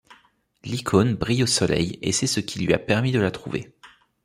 L'icône brille au soleil et c'est ce qui lui a permis de la trouver.